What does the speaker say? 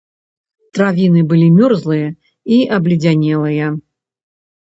Травіны былі мёрзлыя і абледзянелыя.